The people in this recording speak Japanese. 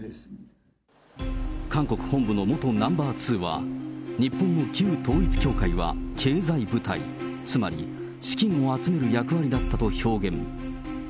韓国本部の元ナンバー２は、日本の旧統一教会は経済部隊、つまり資金を集める役割だったと表現。